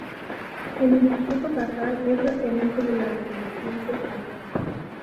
El Instituto Cajal es referente de la neurociencia española.